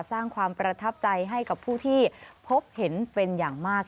สร้างความประทับใจให้กับผู้ที่พบเห็นเป็นอย่างมาก